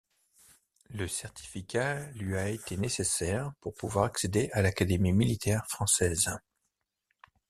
Le certificat lui a été nécessaire pour pouvoir accéder à l'académie militaire française.